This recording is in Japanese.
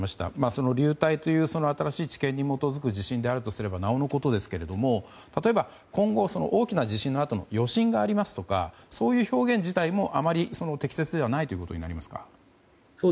その流体という新しい地形に基づく地震であるとすればなおのことですが例えば今後、大きな地震のあとの余震がありますとかそういう表現自体も、あまり適切ではないとなりますか。